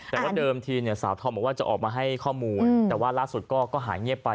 แต่ว่าเดิมทีเนี่ยสาวธอมบอกว่าจะออกมาให้ข้อมูลแต่ว่าล่าสุดก็หายเงียบไป